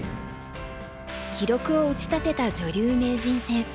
記録を打ち立てた女流名人戦。